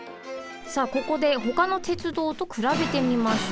さあここでほかの鉄道とくらべてみましょう。